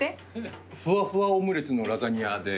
ふわふわオムレツのラザニアで。